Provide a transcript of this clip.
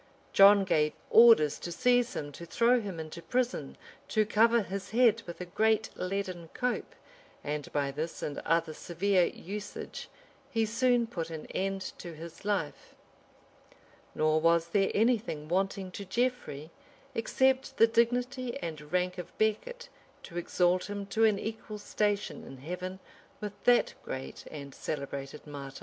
John gave orders to seize him, to throw him into prison, to cover his head with a great leaden cope, and by this and other severe usage, he soon put an end to his life:[] nor was there any thing wanting to Geoffrey, except the dignity and rank of Becket, to exalt him to an equal station in heaven with that great and celebrated martyr.